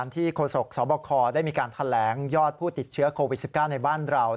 โฆษกสบคได้มีการแถลงยอดผู้ติดเชื้อโควิด๑๙ในบ้านเรา